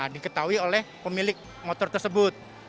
diketahui oleh pemilik motor tersebut